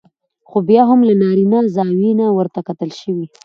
خو بيا هم له نارينه زاويې نه ورته کتل شوي